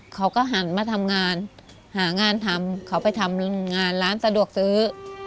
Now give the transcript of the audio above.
เขาก็หันมาทำงานหางานทำเขาไปทำงานร้านสะดวกซื้อ